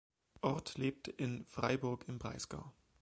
Orth lebt in Freiburg im Breisgau.